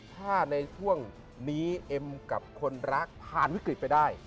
ถ้าในช่วงนี้เอ็มกับคนรักผ่านวิกฤตไปได้